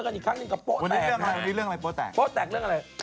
โพธอานนท์พูดโอเค